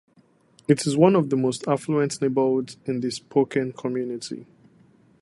It is one of the more affluent neighborhoods in the Spokane community.